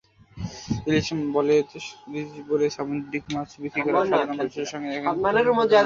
ইলিশ বলে সামুদ্রিক মাছ বিক্রি করা সাধারণ মানুষের সঙ্গে একধরনের প্রতারণা।